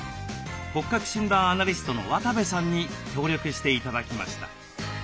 骨格診断アナリストの渡部さんに協力して頂きました。